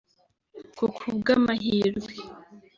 Ku kubw’amahirwe